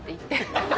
ハハハ